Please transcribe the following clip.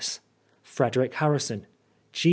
& Frederick Harrison G.